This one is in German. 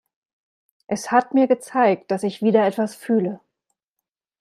Es hat mir gezeigt, dass ich wieder etwas fühle.